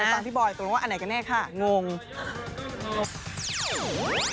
ไปตามพี่บอยตรงนั้นว่าอันไหนกันเนี่ยค่ะ